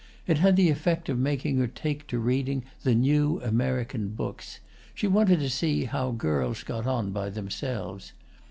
It had the effect of making her take to reading the new American books: she wanted to see how girls got on by themselves.